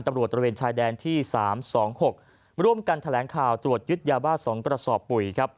ตระเวนชายแดนที่๓๒๖ร่วมกันแถลงข่าวตรวจยึดยาบ้า๒กระสอบปุ๋ยครับ